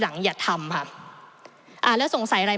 ท่านประธานที่เคารพถ้าผลเอกประยุทธ์ยังไม่ได้อ่านหนังสืออัยการสูงสุดฉบับนี้